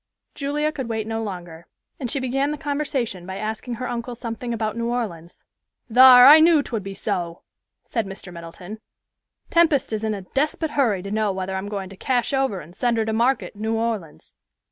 Julia could wait no longer, and she began the conversation by asking her uncle something about New Orleans. "Thar, I knew 'twould be so," said Mr. Middleton; "Tempest is in a desput hurry to know whether I'm going to cash over and send her to market in New Orleans."